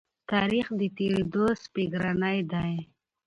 تاریخ د تېرو سپږېرنی دی.